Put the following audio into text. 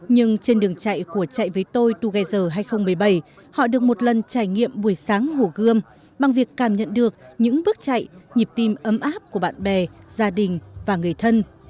nhưng trên đường chạy của chạy với tôi tugezer hai nghìn một mươi bảy họ được một lần trải nghiệm buổi sáng hồ gươm bằng việc cảm nhận được những bước chạy nhịp tim ấm áp của bạn bè gia đình và người thân